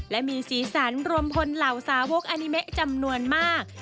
และมีสีสันรวมพลเหล่าสาวกอานิเมะจำนวนมาก